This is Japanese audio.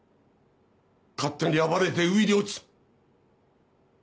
「勝手に暴れて海に落ちた」。